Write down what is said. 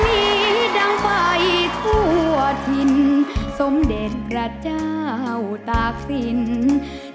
มีดังไฟทั่วถิ่นสมเด็จพระเจ้าตากศิลป์